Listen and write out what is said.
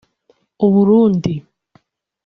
Uburundi